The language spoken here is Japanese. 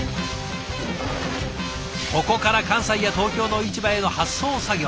ここから関西や東京の市場への発送作業。